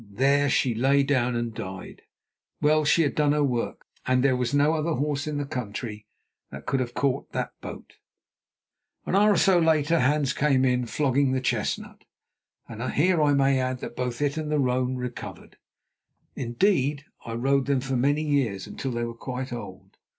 There she lay down and died. Well, she had done her work, and there was no other horse in the country that could have caught that boat. An hour or so later Hans came in flogging the chestnut, and here I may add that both it and the roan recovered. Indeed I rode them for many years, until they were quite old.